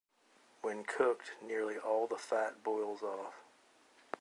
When cooked, nearly all the fat boils off.